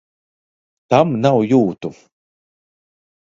Tam nav jūtu!